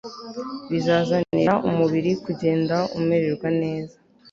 bizazanira umubiri kugenda umererwa neza